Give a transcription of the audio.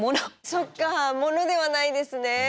そっかモノではないですね。